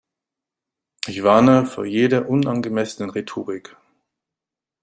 Ich warne vor jeder unangemessenen Rhetorik!